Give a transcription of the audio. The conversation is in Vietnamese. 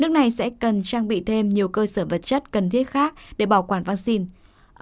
nước này sẽ cần trang bị thêm nhiều cơ sở vật chất cần thiết khác để bảo quản vaccine